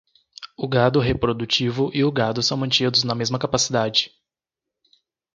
O gado reprodutivo e o gado são mantidos na mesma capacidade.